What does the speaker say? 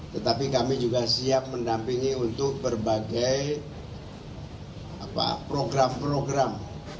tetapi kami juga siap mendampingi untuk berbagai program program